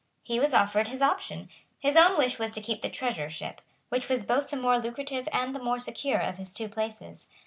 He was offered his option. His own wish was to keep the Treasurership, which was both the more lucrative and the more secure of his two places.